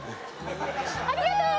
ありがとう！